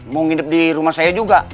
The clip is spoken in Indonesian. mau nginep di rumah saya juga